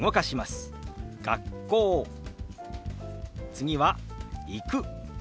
次は「行く」。